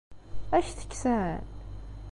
Ad ak-t-kksen?